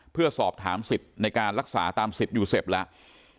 เพื่อสอบถามสิทธิ์ในการรักษาตามสิทธิ์ยูเซ็ปต์แล้ว